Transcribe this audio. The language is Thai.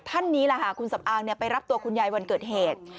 ท่านนี้แหละค่ะคุณสำอางไปรับตัวคุณยายวันเกิดเหตุ